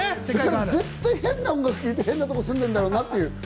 絶対変な音楽聴いて、変なとこ住んでいるなっていう。